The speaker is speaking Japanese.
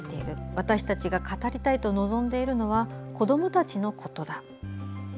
私たちが語りたいのは子どもたちのことだ」。